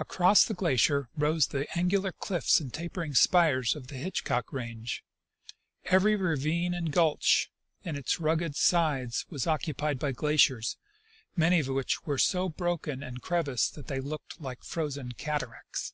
Across the glacier rose the angular cliffs and tajjering spires of the Hitchcock range. Every ravine and gulch in its rugged sides was occupied by glaciers, many of which were so broken and crevassed that they looked like frozen cataracts.